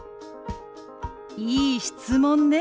いい質問ね。